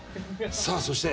さあそして。